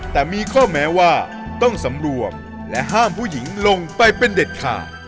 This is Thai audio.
แต่มีข้อแม้ว่าต้องสำรวมและห้ามผู้หญิงลงไปเป็นเด็ดขาด